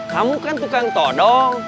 kamu kan tukang todong